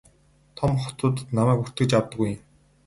Том хотуудад намайг бүртгэж авдаггүй юм.